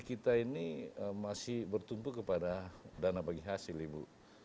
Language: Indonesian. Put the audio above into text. kita ini masih bertumpu kepada dana bagi hasil ibu